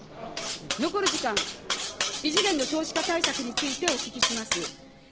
残る時間、異次元の少子化対策についてお聞きします。